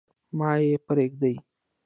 مه يې پريږدﺉ.